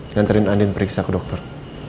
nganterin andin periksa ke dokter